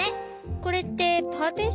これってパーティション？